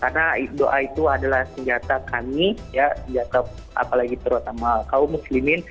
karena doa itu adalah senjata kami apalagi terutama kaum muslimin